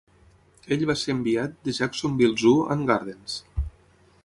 Ell va ser enviat de Jacksonville Zoo and Gardens.